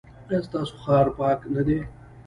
ایا ستاسو ښار پاک نه دی؟